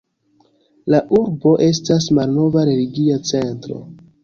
La urbo estas malnova religia centro.